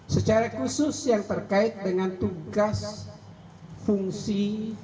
secara khusus yang terkait dengan tugas fungsi